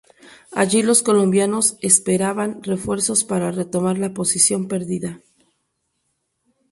Allí los colombianos esperaban refuerzos para retomar la posición perdida.